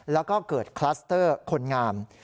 แล้วก็เกิดคลัสเตอร์คนงาม